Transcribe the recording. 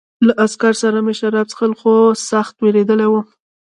له عسکر سره مې شراب څښل خو سخت وېرېدلی وم